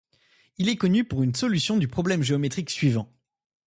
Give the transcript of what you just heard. Il est connu pour une solution du problème géométrique suivant.